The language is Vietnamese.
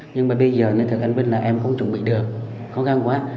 nhưng mà bây giờ nên thật anh vinh là em không chuẩn bị được khó khăn quá